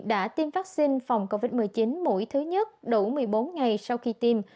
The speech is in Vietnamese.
đã tiêm vaccine phòng covid một mươi chín mũi thứ nhất đủ một mươi bốn ngày sau khi tiêm